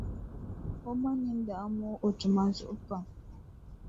O ma nini daa moogi o tuma zuɣu pam.